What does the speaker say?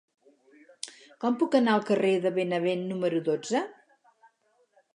Com puc anar al carrer de Benavent número dotze?